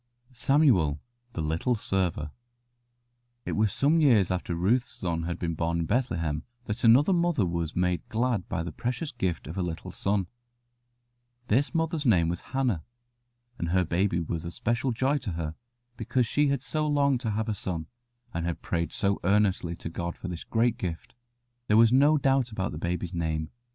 SAMUEL, THE LITTLE SERVER It was some years after Ruth's son had been born in Bethlehem that another mother was made glad by the precious gift of a little son. This mother's name was Hannah, and her baby was a special joy to her because she had so longed to have a son and had prayed so earnestly to God for this great gift. There was no doubt about the baby's name.